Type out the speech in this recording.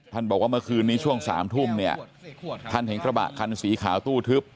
บอกว่าเมื่อคืนนี้ช่วง๓ทุ่มเนี่ยท่านเห็นกระบะคันสีขาวตู้ทึบ